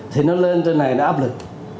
thì nó lên trên này nó áp lực